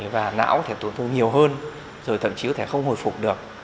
và não có thể tổn thương nhiều hơn rồi thậm chí có thể không hồi phục được